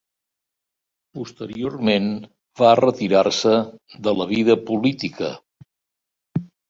Posteriorment va retirar-se de la vida política.